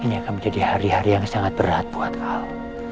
ini akan menjadi hari hari yang sangat berat buat kau